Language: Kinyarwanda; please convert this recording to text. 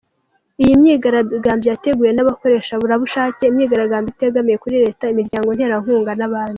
Iyi myigaragambyo yateguwe n’abakorerabushake, imiryango itegamiye kuri leta, imiryango nterankunga n’abandi.